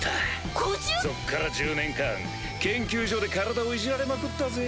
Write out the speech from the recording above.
ごじゅ⁉そっから１０年間研究所で体をいじられまくったぜ。